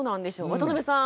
渡邊さん